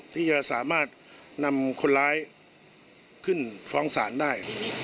ที่จะสามารถนำคนร้ายขึ้นฟ้องศาลได้